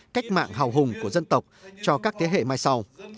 cách mạng hào hùng của dân tộc cho các thế hệ mai sau